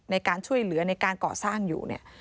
ในการช่วยเหลือในการก่อสร้างอยู่เนี่ย